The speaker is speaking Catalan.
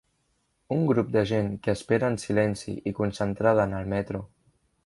Un grup de gent que espera en silenci i concentrada en el metro.